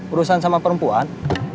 urusan sama perempuan